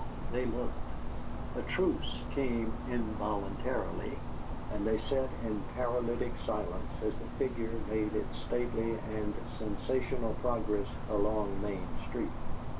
They looked. A truce came involuntarily, and they sat in paralytic silence as the figure made its stately and sensational progress along Main Street.